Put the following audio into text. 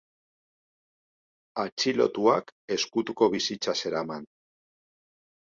Atxilotuak ezkutuko bizitza zeraman.